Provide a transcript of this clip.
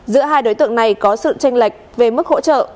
giữa hai đối tượng này có sự tranh lệch về mức hỗ trợ